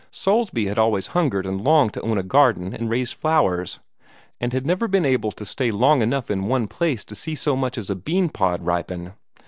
Soulsby had always hungered and longed to own a garden and raise flowers, and had never been able to stay long enough in one place to see so much as a bean pod ripen.